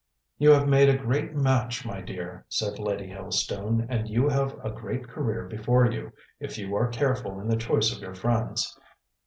"You have made a great match, my dear," said Lady Helstone, "and you have a great career before you, if you are careful in the choice of your friends.